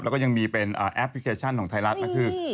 แล้วก็ยังมีเป็นแอปพลิเคชันของไทยรัฐก็คือ